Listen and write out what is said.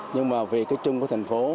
nhưng mà vì cái chung của thành phố